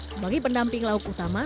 sebagai pendamping lauk utama